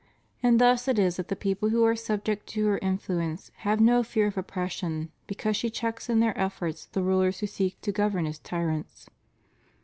And thus it is that the people who are subject to her influence have no fear of oppression because she checks in their efforts the rulers who seek to govern as tyrants.